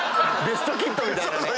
『ベスト・キッド』みたいなね。